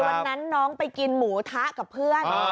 วันนั้นน้องไปกินหมูทะกับเพื่อน